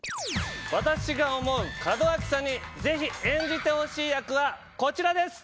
私が思う門脇さんにぜひ演じてほしい役はこちらです！